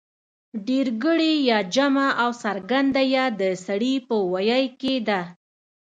ډېرگړې يا جمع او څرگنده يا د سړي په ویي کې ده